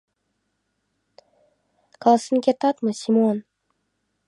Каласен кертат мо, Семон?